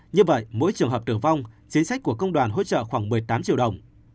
như vậy mỗi trường hợp tử vong chính sách của công đoàn hỗ trợ khoảng một mươi tám triệu đồng